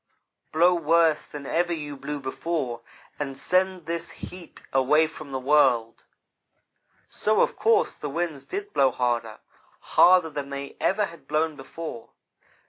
Blow worse than ever you blew before, and send this heat away from the world.' "So, of course, the winds did blow harder harder than they ever had blown before.